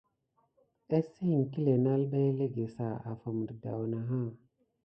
Enseŋ iŋkile nalɓa elege sa? Afime de daouna.